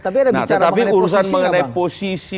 tapi ada bicara mengenai posisi